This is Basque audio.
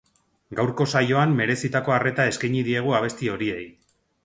Gaurko saioan merezitako arreta eskaini diegu abesti horiei.